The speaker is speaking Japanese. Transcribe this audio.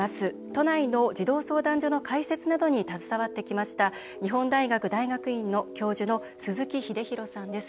都内の児童相談所の開設などに携わってきました日本大学大学院の教授の鈴木秀洋さんです。